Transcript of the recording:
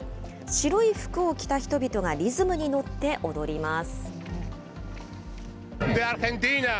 白い服を着た人々がリズムに乗って踊ります。